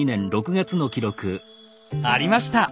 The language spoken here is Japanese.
ありました！